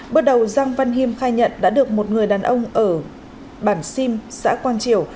bước đầu giang văn hiêm khai nhận đã được một người đàn ông ở bản sim xã quang triều